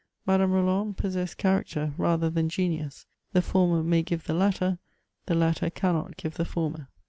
Madame Roland possessed character rather than genius ; the former may give the latter, the latter cannot give the former.